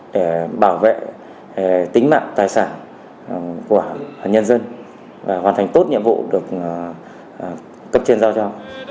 để bảo vệ tính mạng tài sản của nhân dân và hoàn thành tốt nhiệm vụ được cấp trên giao cho